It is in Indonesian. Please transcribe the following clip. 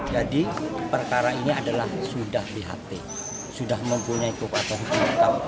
jadi perkara ini adalah sudah dihapus sudah mempunyai provokator